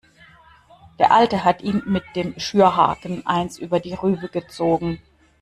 Der Alte hat ihm mit dem Schürhaken eins über die Rübe gezogen.